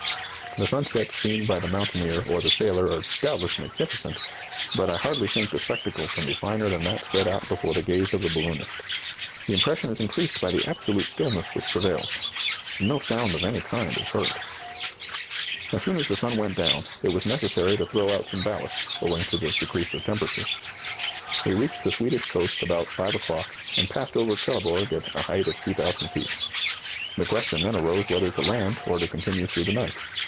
"The sunsets seen by the mountaineer or the sailor are doubtless, magnificent; but I hardly think the spectacle can be finer than that spread out before the gaze of the balloonist. The impression is increased by the absolute stillness which prevails; no sound of any kind is heard. [Illustration: Landscape as seen from a balloon at an altitude of 3,000 feet.] "As soon as the sun went down, it was necessary to throw out some ballast, owing to the decrease of temperature.... We reached the Swedish coast about 5 o'clock, and passed over Trelleborg at a height of 2,000 feet. The question then arose whether to land, or to continue through the night.